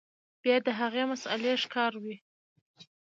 بيا د هغې مسئلې ښکار وي